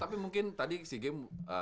tapi mungkin tadi si game